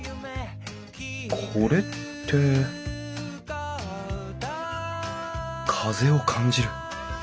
これって風を感じる。